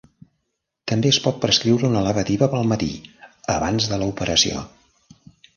També es pot prescriure una lavativa pel matí, abans de la operació.